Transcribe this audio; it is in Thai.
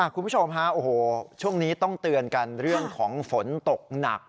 คุณผู้ชมฮะโอ้โหช่วงนี้ต้องเตือนกันเรื่องของฝนตกหนัก